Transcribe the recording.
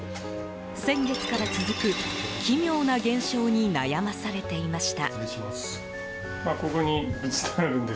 先月から続く、奇妙な現象に悩まされていました。